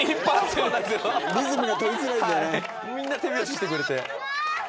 みんな手拍子してくれて。